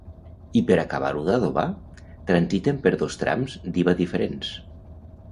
I, per acabar-ho d'adobar, transiten per dos trams d'Iva diferents.